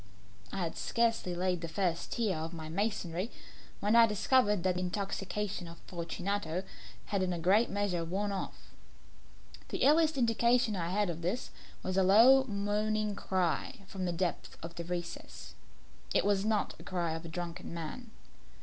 I had scarcely laid the first tier of the masonry when I discovered that the intoxication of Fortunato had in a great measure worn off. The earliest indication I had of this was a low moaning cry from the depth of the recess. It was not the cry of a drunken man.